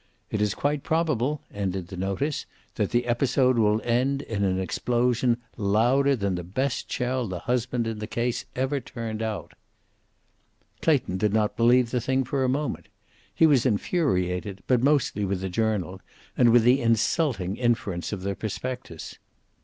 "It is quite probable," ended the notice, "that the episode will end in an explosion louder than the best shell the husband in the case ever turned out." Clayton did not believe the thing for a moment. He was infuriated, but mostly with the journal, and with the insulting inference of the prospectus.